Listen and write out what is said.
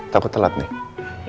takut telat nih